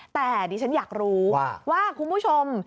แต่ดิฉันอยากรู้ว่าคุณผู้ชม